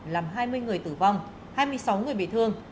làm hai mươi người tử vong hai mươi sáu người bị thương